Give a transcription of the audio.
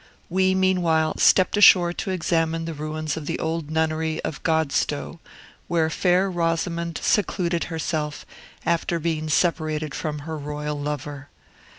We, meanwhile, stepped ashore to examine the ruins of the old nunnery of Godstowe, where Fair Rosamond secluded herself, after being separated from her royal lover.